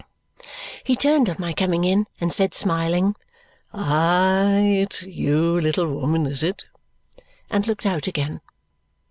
He turned on my coming in and said, smiling, "Aye, it's you, little woman, is it?" and looked out again.